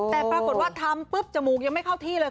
แต่ปรากฏว่าทำปุ๊บจมูกยังไม่เข้าที่เลย